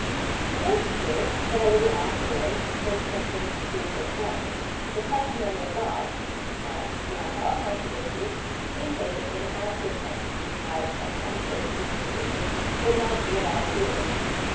It is true that a little afterwards (chap. ii. \) the testimony of God must, beyond all controversy, be taken in an active sense, as a passive signifi cation would not be at all suitable.